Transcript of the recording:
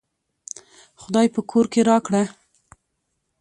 خداى په کور کې راکړه